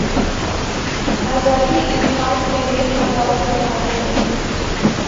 آزادیٔ اظہار کیلئے آواز اٹھاتے رہے۔